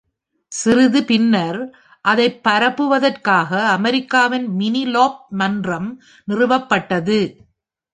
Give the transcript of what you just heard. சிறிது பின்னர், அதைப் பரப்புவதற்காக அமெரிக்காவின் மினி லோப் மன்றம் நிறுவப்பட்டது.